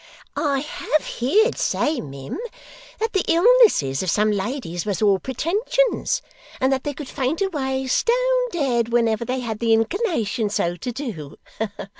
'I HAVE heerd say, mim, that the illnesses of some ladies was all pretensions, and that they could faint away, stone dead, whenever they had the inclinations so to do.